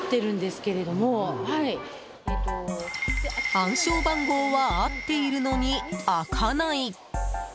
暗証番号は合っているのに開かない。